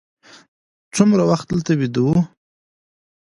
څومره وخت دلته ویده وو.